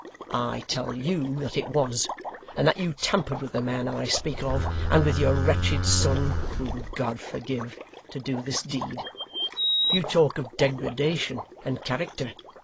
I tell you that it was, and that you tampered with the man I speak of, and with your wretched son (whom God forgive!) to do this deed. You talk of degradation and character.